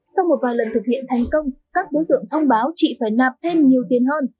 sau một vài lần thực hiện thành công các đối tượng thông báo chị phải nạp thêm nhiều tiền hơn